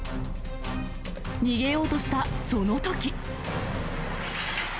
逃げようとしたそのとき。